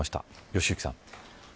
良幸さん。